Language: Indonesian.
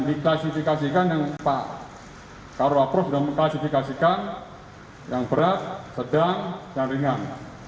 diklasifikasikan yang pak karo approves dan mengklasifikasikan yang berat sedang dan ringan